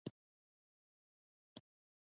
هیله له خدایه هېڅکله مه پرېږده.